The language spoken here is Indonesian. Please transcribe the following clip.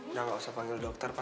udah gak usah panggil dokter pa